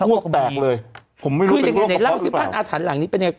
อ้วกแตกเลยผมไม่รู้เป็นข้อข้อหรือเปล่าคืออย่างเงี้ยเนี่ยเล่าสิบ้านอาถรรหลังนี้เป็นยังไง